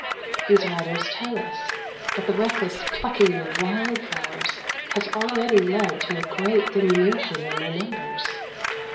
These writers tell us that the reckless plucking of wild flowers has already led to a great diminution in their numbers.